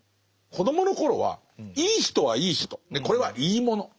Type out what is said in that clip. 子どもの頃はいい人はいい人でこれはいい者。